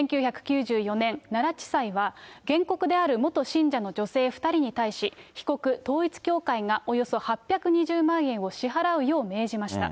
１９９４年、奈良地裁は、原告である元信者の女性２人に対し、被告、統一教会がおよそ８２０万円を支払うよう命じました。